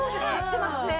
きてますね。